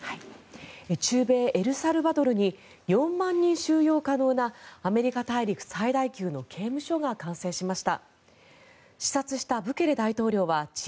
中米エルサルバドルに４万人収容可能なアメリカ大陸最大級の刑務所が完成しました。